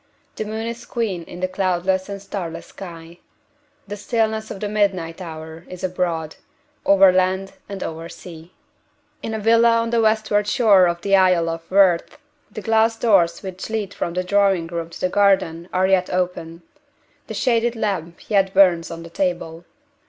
The moon is queen in the cloudless and starless sky. The stillness of the midnight hour is abroad, over land and over sea. In a villa on the westward shore of the Isle of Wight, the glass doors which lead from the drawing room to the garden are yet open. The shaded lamp yet burns on the table.